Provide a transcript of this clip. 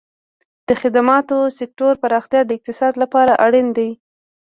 د خدماتو سکتور پراختیا د اقتصاد لپاره اړین دی.